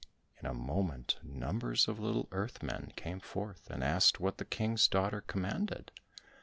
In a moment, numbers of little earth men came forth, and asked what the King's daughter commanded?